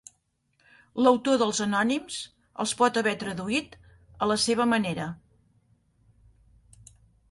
L'autor dels anònims els pot haver traduït a la seva manera.